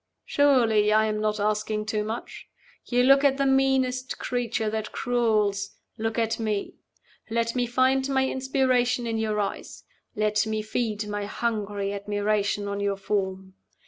"Surely I am not asking too much? You look at the meanest creature that crawls look at Me. Let me find my inspiration in your eyes. Let me feed my hungry admiration on your form.